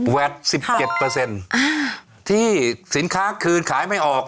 ๑๗ที่สินค้าคืนขายไม่ออก